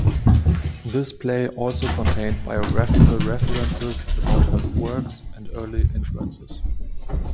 This Play also contained biographical references about her works and early influences.